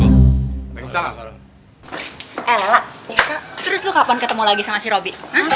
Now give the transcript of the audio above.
terus lo kapan ketemu lagi sama si robi